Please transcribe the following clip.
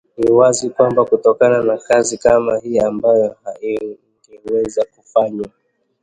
Ni wazi kwamba kutokana na kazi kama hii ambayo haingewezwa kufanywa